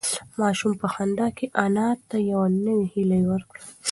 ماشوم په خندا کې انا ته یوه نوې هیله ورکړه.